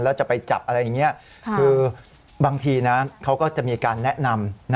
แล้วจะไปจับอะไรอย่างนี้คือบางทีนะเขาก็จะมีการแนะนำ